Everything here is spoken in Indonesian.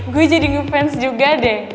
gue jadi ngefans juga deh